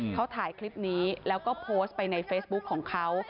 เขาถ่ายคลิปนี้แล้วก็โพสต์ไปในเฟซบุ๊คของเขา